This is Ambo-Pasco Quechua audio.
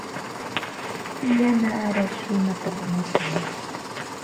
Yana arash runata wañutsin.